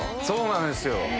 そうなんですよ。